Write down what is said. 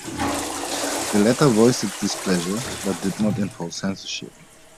The latter voiced its displeasure, but did not impose censorship.